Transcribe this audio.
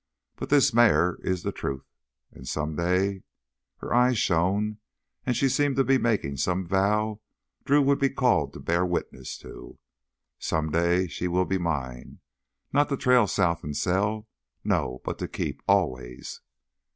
But this mare is the truth! And someday—" Her eyes shone and she seemed to be making some vow Drew would be called to bear witness to. "Someday she will be mine! Not to trail south and sell—no—but to keep, always!"